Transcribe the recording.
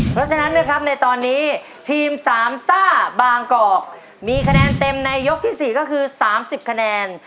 เพราะฉะนั้นนะครับในตอนนี้ทีมสามซ่าบางกอกมีคะแนนเต็มในยกที่๔ก็คือ๓๐คะแนน